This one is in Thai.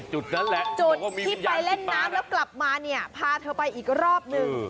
จุดนั้นแหละจุดที่ไปเล่นน้ำแล้วกลับมาเนี่ยพาเธอไปอีกรอบนึง